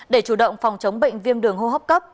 để chủ động phòng chống bệnh viêm đường hô hấp cấp